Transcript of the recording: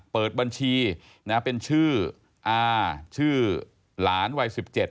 เปิดบัญชีนะเป็นชื่ออาชื่อหลานวัย๑๗